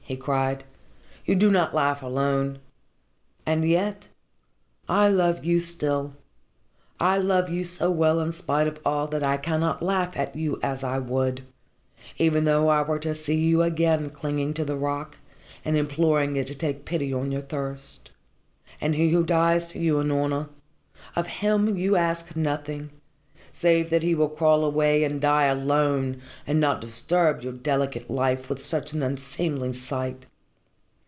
he cried. "You do not laugh alone. And yet I love you still, I love you so well in spite of all that I cannot laugh at you as I would, even though I were to see you again clinging to the rock and imploring it to take pity on your thirst. And he who dies for you, Unorna of him you ask nothing, save that he will crawl away and die alone, and not disturb your delicate life with such an unseemly sight."